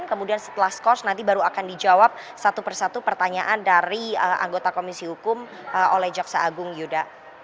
kemudian setelah skors nanti baru akan dijawab satu persatu pertanyaan dari anggota komisi hukum oleh jaksa agung yuda